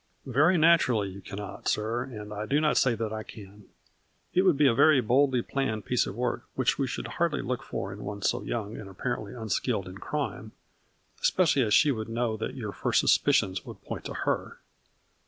" Very naturally you cannot, sir, and I do not say that I can. It would be a very boldly planned piece of work which we should hardly look for in one so young and apparently un skilled in crime, especially as she would know that your first suspicions would point to her.